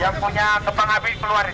yang punya kepang api dikeluarin